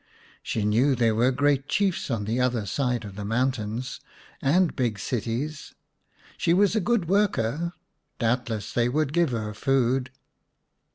She knew there were great Chiefs on the other side of the mountains, and big cities ; she was a good worker, doubtless they would give her food.